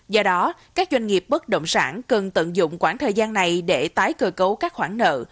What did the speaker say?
do đó các doanh nghiệp bất động sản cần tận dụng quãng thời gian này để tái cơ cấu các khoản nợ